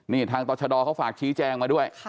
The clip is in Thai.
นี่ทางต่อชะดอเขาฝากชี้แจงมาด้วย